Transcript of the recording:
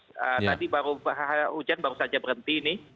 tadi baru hujan baru saja berhenti nih